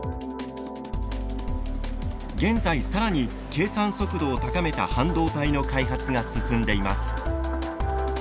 現在更に計算速度を高めた半導体の開発が進んでいます。